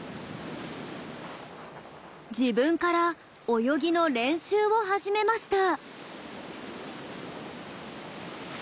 自分から泳ぎの練習を始めました。